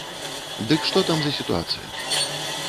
Дык што там за сітуацыя?